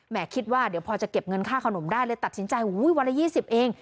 คิดว่าเดี๋ยวพอจะเก็บเงินค่าขนมได้เลยตัดสินใจวันละ๒๐เอง